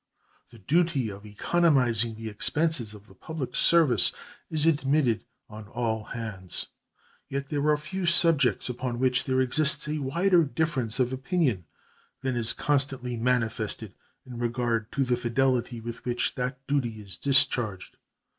The duty of economizing the expenses of the public service is admitted on all hands; yet there are few subjects upon which there exists a wider difference of opinion than is constantly manifested in regard to the fidelity with which that duty is discharged.